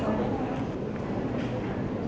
สวัสดีครับ